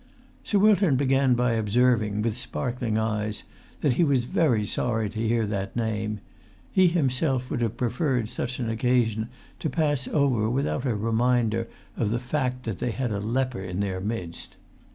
Sir Wilton began by observing, with sparkling eyes, that he was very sorry to hear that name: he himself would have preferred such an occasion to pass over without a reminder of the fact that they had a leper in their midst.